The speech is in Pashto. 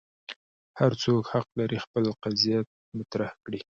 هر څوک حق لري خپل قضیه مطرح کړي.